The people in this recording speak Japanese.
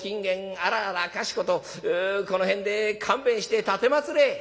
あらあらかしことこの辺で勘弁して奉れ」。